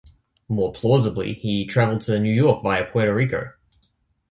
More plausibly he travelled to New York via Puerto Rico.